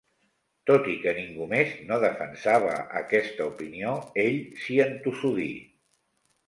Tot i que ningú més no defensava aquesta opinió, ell s'hi entossudí.